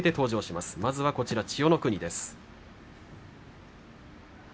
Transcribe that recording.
まず千代の国です。